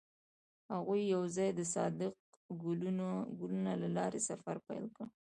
هغوی یوځای د صادق ګلونه له لارې سفر پیل کړ.